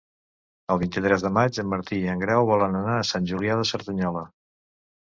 El vint-i-tres de maig en Martí i en Grau volen anar a Sant Julià de Cerdanyola.